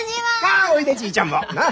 あおいでちぃちゃんも！なあ！